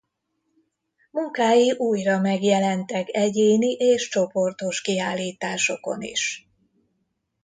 Munkái újra megjelentek egyéni és csoportos kiállításokon is.